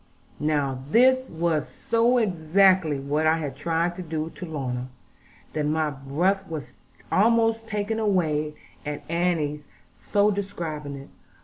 Now this was so exactly what I had tried to do to Lorna, that my breath was almost taken away at Annie's so describing it.